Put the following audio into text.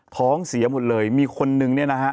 ท้องเสียหมดเลยมีคนนึงเนี่ยนะฮะ